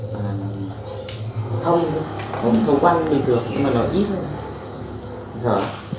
cái loại này trước có cả hàng đó và hàng thông không thấu quang bình thường nhưng mà nó ít thôi dở